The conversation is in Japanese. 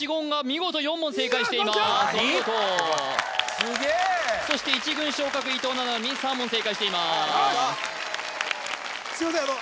スゲえそして１軍昇格伊藤七海３問正解していますすいません